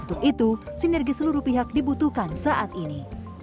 untuk itu sinergi seluruh pihak dibutuhkan saat ini